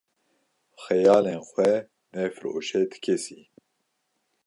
Xeyalên xwe nefiroşe ti kesî.